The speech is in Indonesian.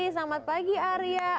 selamat pagi area